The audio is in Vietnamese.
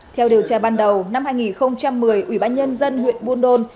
theo điều tra ban đầu năm hai nghìn một mươi ủy ban nhân dân huyện buôn đôn